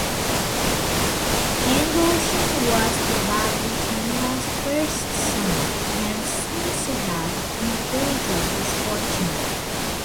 Androtion was probably Andron's first son, and seems to have inherited his fortune.